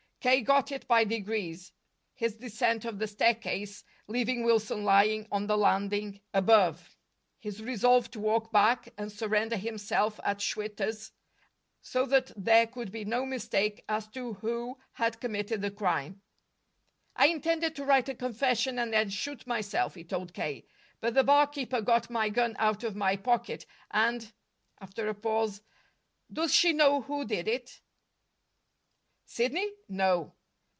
K. got it by degrees his descent of the staircase, leaving Wilson lying on the landing above; his resolve to walk back and surrender himself at Schwitter's, so that there could be no mistake as to who had committed the crime. "I intended to write a confession and then shoot myself," he told K. "But the barkeeper got my gun out of my pocket. And " After a pause: "Does she know who did it?" "Sidney? No."